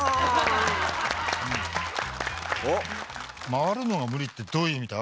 回るのは無理ってどういう意味だ？